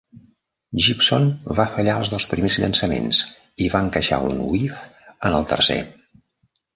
Gibson va fallar els dos primers llançaments i va encaixar un "whiff" en el tercer.